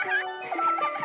フフフ！